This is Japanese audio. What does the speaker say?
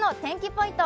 ポイント